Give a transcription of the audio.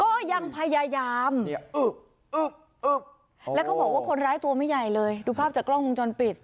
ก็ยังพยายามอึกอึกอึกแล้วเขาบอกว่าคนร้ายตัวไม่ใหญ่เลยดูภาพจากกล้องวงจรปิด